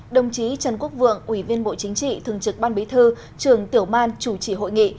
đồng chí trần quốc vượng ủy viên bộ chính trị thường trực ban bí thư trường tiểu man chủ trì hội nghị